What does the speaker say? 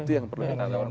itu yang perlu dianggap